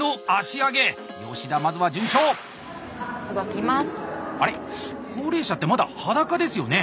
あれ高齢者ってまだ裸ですよね？